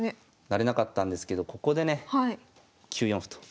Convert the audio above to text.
成れなかったんですけどここでね９四歩と。